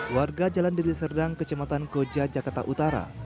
warga jalan diri serdang kejematan goja jakarta utara